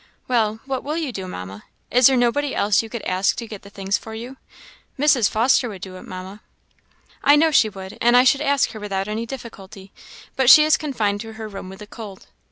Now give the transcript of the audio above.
"Well, what will you do, Mamma? Is there nobody else you could ask to get the things for you? Mrs. Foster would do it, Mamma." "I know she would, and I should ask her without any difficulty, but she is confined to her room with a cold.